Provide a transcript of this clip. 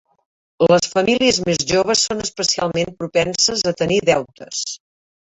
Les famílies més joves són especialment propenses a tenir deutes.